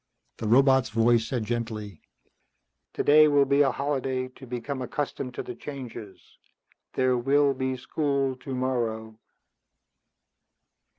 The robot's voice said gently, "Today will be a holiday to become accustomed to the changes. There will be school tomorrow."